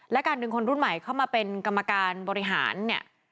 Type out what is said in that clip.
และการดึงคนรุ่นใหม่เข้ามาเป็นกรรมการบริหารเนี่ย